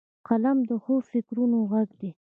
قلم د ښو فکرونو غږ دی